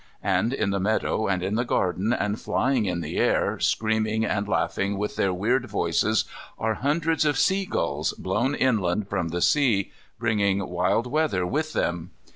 And in the meadow and in the garden and flying in the air, screaming and laughing with their weird voices, are hundreds of seagulls, blown inland from the sea, bringing wild weather with them.